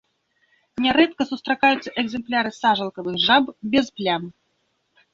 Нярэдка сустракаюцца экземпляры сажалкавых жаб без плям.